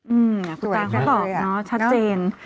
อืมคุณตาเขาบอกเนาะชัดเจน